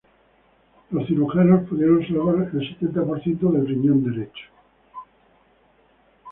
Los cirujanos pudieron salvar el setenta por ciento del riñón derecho.